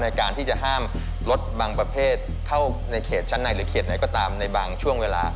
ในการที่จะห้ามลดบางประเภทเข้าในเขตชั้นในหรือเขตไหนก็ตามในบางช่วงเวลา